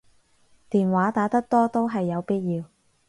電話打得多都係有必要